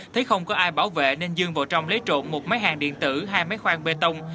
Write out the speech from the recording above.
thấy không có ai bảo vệ nên dương vào trong lấy trộn một máy hàng điện tử hai máy khoang bê tông